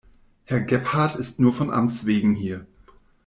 Herr Gebhardt ist nur von Amtswegen hier.